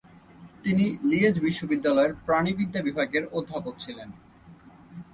তিনি লিয়েজ বিশ্ববিদ্যালয়ের প্রাণিবিদ্যা বিভাগের অধ্যাপক ছিলেন।